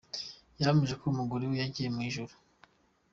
Yahamije ko umugore we yagiye mu ijuru.